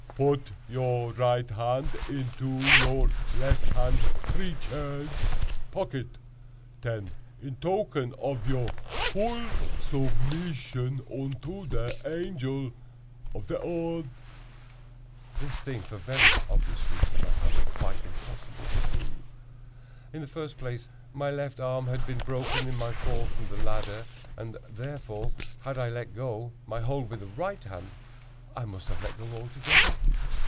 "Put your right hand into your left hand preeches pocket, ten, in token ov your vull zubmizzion unto te Angel ov te Odd." This thing, for very obvious reasons, I found it quite impossible to do. In the first place, my left arm had been broken in my fall from the ladder, and, therefore, had I let go my hold with the right hand, I must have let go altogether.